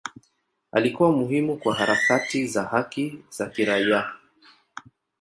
Alikuwa muhimu kwa harakati za haki za kiraia.